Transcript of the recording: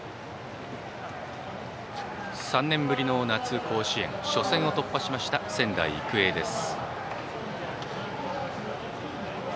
３年ぶりの夏の甲子園初戦を突破しました仙台育英です。